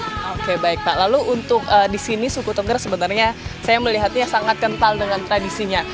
oke baik pak lalu untuk di sini suku tengger sebenarnya saya melihatnya sangat kental dengan tradisinya